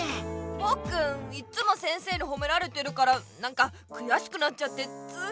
ポッくんいつも先生にほめられてるからなんかくやしくなっちゃってつい。